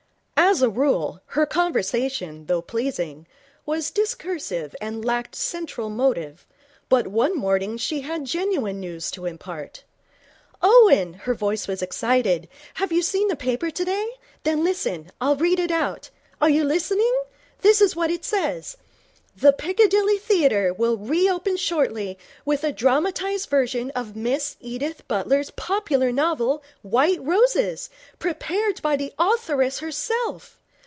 As a rule, her conversation, though pleasing, was discursive and lacked central motive, but one morning she had genuine news to impart. 'Owen' her voice was excited 'have you seen the paper today? Then listen. I'll read it out. Are you listening? This is what it says: "The Piccadilly Theatre will reopen shortly with a dramatized version of Miss Edith Butler's popular novel, White Roses, prepared by the authoress herself.